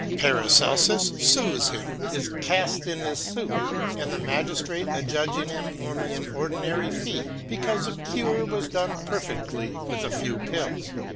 Paracelfus files him, is caft in his fuk, the Magiftrate adjudging him onely an ordinary fee, becaufe the cure was done prefently with a few pills.